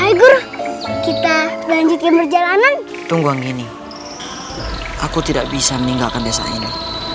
ayo kita lanjutkan perjalanan tunggu gini aku tidak bisa meninggalkan desa ini